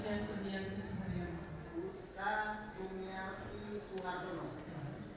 seribu sembilan ratus enam puluh empat jenis kelamin perempuan kebangsaan indonesia agama